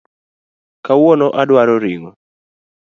Kawuono adwaro ring’o